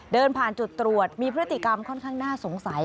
เดินผ่านจุดตรวจมีพฤติกรรมค่อนข้างน่าสงสัย